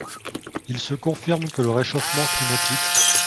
Il se confirme que le réchauffement climatique